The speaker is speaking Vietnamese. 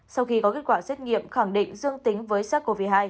sau khi có kết quả xét nghiệm khẳng định dương tính với sars cov hai